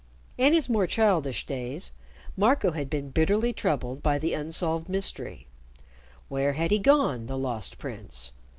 In his more childish days, Marco had been bitterly troubled by the unsolved mystery. Where had he gone the Lost Prince?